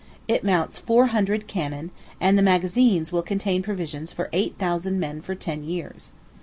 It mounts four hundred cannon, and the magazines will contain provisions for eight thousand men for ten years.